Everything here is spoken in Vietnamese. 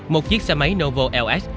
một chiếc xe máy novo ls